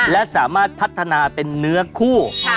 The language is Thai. และสามารถพัฒนาเป็นเนื้อคู่